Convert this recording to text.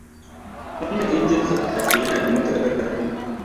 Wannan injin tsabtace yana da matukar ƙarfi.